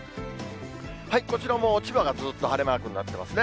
こちらも千葉がずっと晴れマークになっていますね。